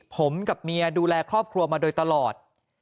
ผมกับเมียดูแลครอบครัวมาโดยตลอด